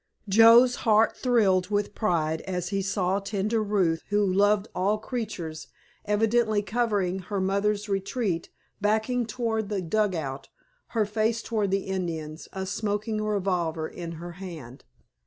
Joe's heart thrilled with pride as he saw tender Ruth, who loved all creatures, evidently covering her mother's retreat, backing toward the dugout, her face toward the Indians, a smoking revolver in her hand.